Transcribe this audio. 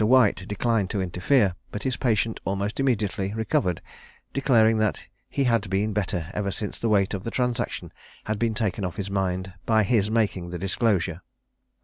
White declined to interfere; but his patient almost immediately recovered, declaring that "he had been better ever since the weight of the transaction had been taken off his mind by his making the disclosure."